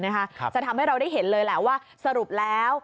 จะทำให้เราได้เห็นเลยแหละว่าสรุปแล้ว